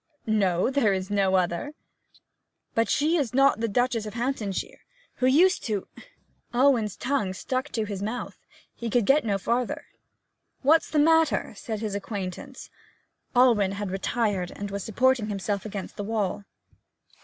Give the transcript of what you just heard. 'No; there is no other.' 'But she is not the Duchess of Hamptonshire who used to ' Alwyn's tongue stuck to his mouth, he could get no farther. 'What's the matter?' said his acquaintance. Alwyn had retired, and was supporting himself against the wall.